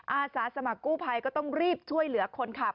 อาสาสมัครกู้ภัยก็ต้องรีบช่วยเหลือคนขับ